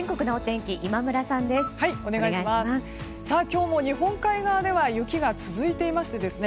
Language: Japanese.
さあ、今日も日本海側では雪が続いています。